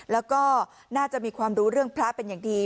แล้วก็น่าจะมีความรู้เรื่องพระเป็นอย่างดี